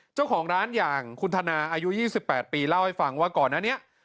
เจ้าของร้านอย่างคุณธนาอายุ๒๘ปีเล่าให้ฟังว่าก่อนอันนี้